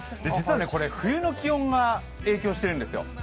実はこれ、冬の気温が影響してるんですよ。